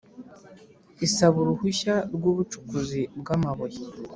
Isaba uruhushya rw ubucukuzi bw amabuye